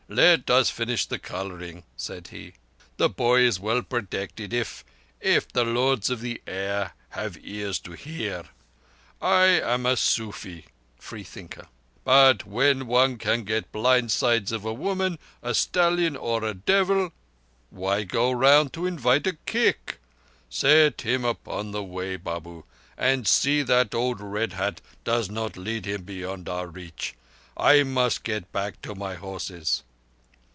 "Let us finish the colouring," said he. "The boy is well protected if—if the Lords of the Air have ears to hear. I am a sufi (free thinker), but when one can get blind sides of a woman, a stallion, or a devil, why go round to invite a kick? Set him upon the way, Babu, and see that old Red Hat does not lead him beyond our reach. I must get back to my horses."